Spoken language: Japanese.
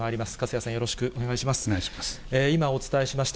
粕谷さん、よろしくお願いします。